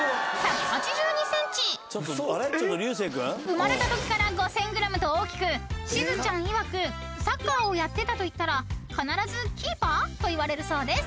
［生まれたときから５，０００ｇと大きくしずちゃんいわく「サッカーをやってた」と言ったら必ず「キーパー？」と言われるそうです］